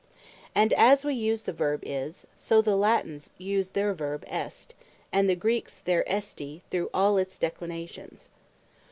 And as wee use the Verbe Is; so the Latines use their Verbe Est, and the Greeks their Esti through all its Declinations.